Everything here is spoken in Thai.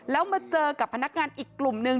แล้วมาเจอกับพนักงานอีกกลุ่มนึง